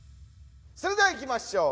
それではいきましょう！